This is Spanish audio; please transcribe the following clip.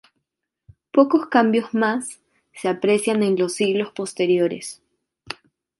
Pocos cambios más se aprecian en los siglos posteriores.